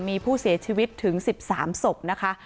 มีผู้เสียชีวิตถึง๑๓ศพนะคะ